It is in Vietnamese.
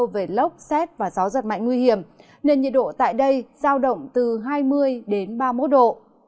với lốc xét và gió giật mạnh nguy hiểm nền nhiệt độ tại đây sao động từ hai mươi ba mươi một độ